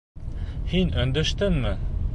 Һин өндәштеңме?